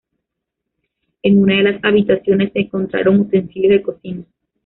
En una de las habitaciones se encontraron utensilios de cocina.